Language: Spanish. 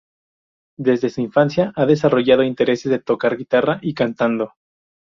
Desde su infancia, ha desarrollado intereses de tocar guitarra y cantando.